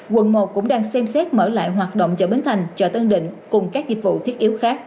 quận một cũng đang xem xét mở lại hoạt động chợ bến thành chợ tân định cùng các dịch vụ thiết yếu khác